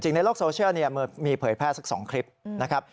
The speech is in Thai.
ในโลกโซเชียลมีเผยแพร่สัก๒คลิปนะครับ